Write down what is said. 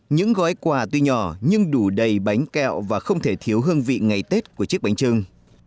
những gói quà tuy nhỏ nhưng đủ đầy bánh kẹo và không thể thiếu hương vị ngày tết của chiếc bánh trưng